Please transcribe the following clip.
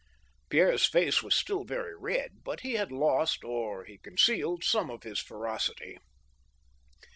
Pierre's face was still very red, but he had lost, or he concealed, some of his ferocity.